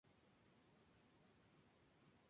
De barrio Patricios Norte a barrio Residencial San Roque.